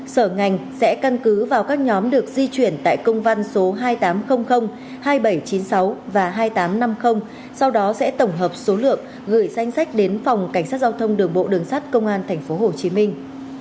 sở ngành sẽ căn cứ vào các nhóm được di chuyển tại công văn số hai nghìn tám trăm linh hai nghìn bảy trăm chín mươi sáu và hai nghìn tám trăm năm mươi sau đó sẽ tổng hợp số lượng gửi danh sách đến phòng cảnh sát giao thông đường bộ đường sát công an tp hcm